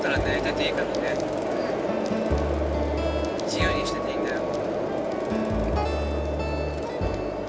自由にしてていいんだよ。